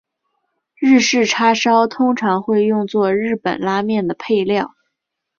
日式叉烧通常会用作日本拉面的配料。